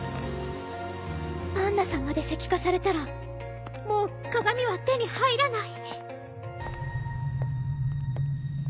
パンナさんまで石化されたらもう鏡は手に入らない。